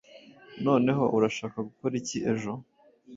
Noneho, urashaka gukora iki ejo?